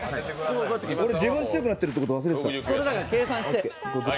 俺、自分強くなってるの忘れてた。